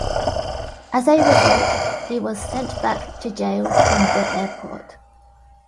As a result, he was sent back to jail from the airport.